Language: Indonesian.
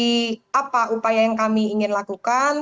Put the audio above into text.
seperti apa upaya yang kami ingin lakukan